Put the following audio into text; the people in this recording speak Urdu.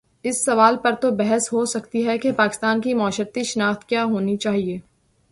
اس سوال پر تو بحث ہو سکتی ہے کہ پاکستان کی معاشرتی شناخت کیا ہو نی چاہیے۔